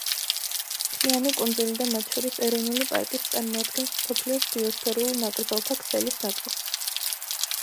მთლიანი კუნძული და მათ შორის ეროვნული პარკიც წარმოადგენს მსოფლიოს ბიოსფერულ ნაკრძალთა ქსელის ნაწილს.